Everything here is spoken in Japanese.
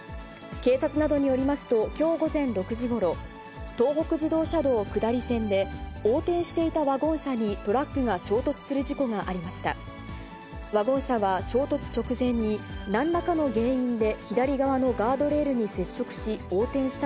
警察などによりますと、きょう午前６時ごろ、東北自動車道下り線で、横転していたワゴン車にトラックが衝突する事故がありました。